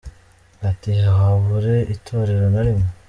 Ati “Habure itorero na rimwe ?